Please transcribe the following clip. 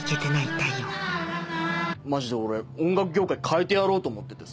太陽マジで俺音楽業界変えてやろうと思っててさ。